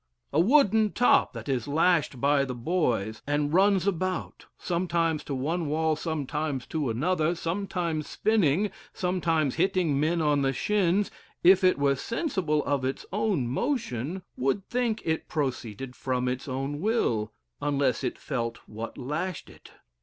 A wooden top that is lashed by the boys, and runs about, sometimes to one wall, sometimes to another, sometimes spinning, sometimes hitting men on the shins, if it were sensible of its own motion, would think it proceeded from its own will, unless it felt what lashed it.